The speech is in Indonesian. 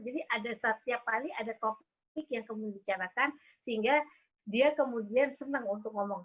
jadi ada setiap kali ada topik yang kamu bicarakan sehingga dia kemudian senang untuk ngomong